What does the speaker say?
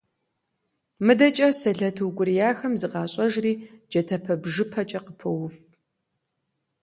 МыдэкӀэ сэлэт укӀурияхэм зыкъащӀэжри джатэпэ-бжыпэкӀэ къыпоув.